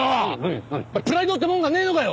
プライドってもんがねえのかよ！